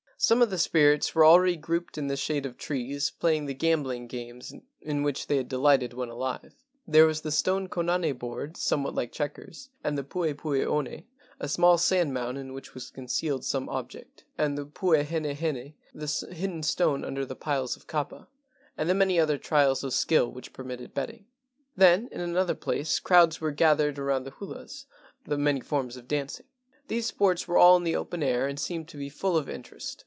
Some of the spirits were already grouped in the shade of trees, playing the gambling games in which they had delighted when alive. There was the stone konane board (somewhat like checkers), and the puepue one (a small sand mound in which was concealed some object), and the puhenehene (the hidden stone under piles of kapa), and the many other trials of skill which permitted betting. Then in another place crowds were gathered around the hulas (the many forms of dancing). These sports were all in the open air and seemed to be full of interest.